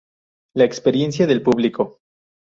La experiencia del público.